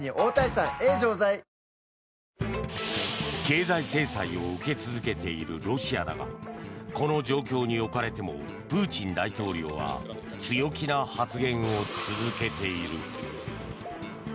経済制裁を受け続けているロシアだがこの状況に置かれてもプーチン大統領は強気な発言を続けている。